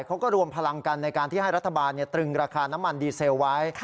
เขาก็รวมพลังกันในการที่ให้รัฐบาลตรึงราคาน้ำมันดีเซลไว้